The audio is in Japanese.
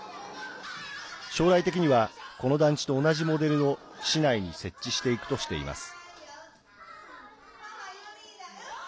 将来的にはこの団地大人時モデルを市内に設置していくとしています。